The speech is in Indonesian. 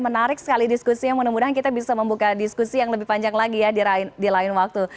menarik sekali diskusinya mudah mudahan kita bisa membuka diskusi yang lebih panjang lagi ya di lain waktu